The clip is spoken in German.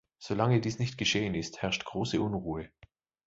Solange dies nicht geschehen ist, herrscht große Unruhe.